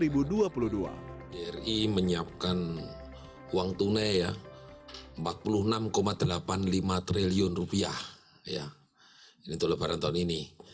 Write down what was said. bri menyiapkan uang tunai rp empat puluh enam delapan puluh lima triliun rupiah untuk lebaran tahun ini